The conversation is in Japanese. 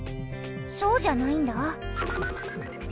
そうじゃないんだ。